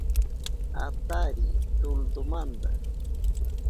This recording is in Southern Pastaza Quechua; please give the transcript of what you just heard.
Atariy tulltumanta